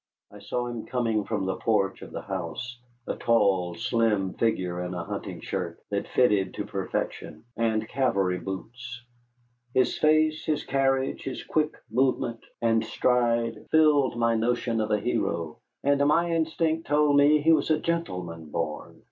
I saw him coming from the porch of the house, a tall slim figure in a hunting shirt that fitted to perfection and cavalry boots. His face, his carriage, his quick movement and stride filled my notion of a hero, and my instinct told me he was a gentleman born.